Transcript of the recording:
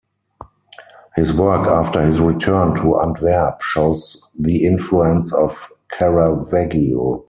His work after his return to Antwerp shows the influence of Caravaggio.